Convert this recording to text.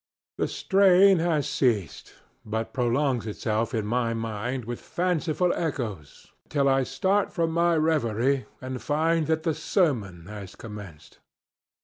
The strain has ceased, but prolongs itself in my mind with fanciful echoes till I start from my reverie and find that the sermon has commenced.